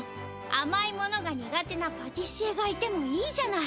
あまいものがにがてなパティシエがいてもいいじゃない。